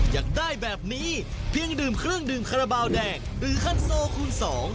อยากได้แบบนี้เพียงดื่มเครื่องดื่มคาราบาลแดงหรือคันโซคูณสอง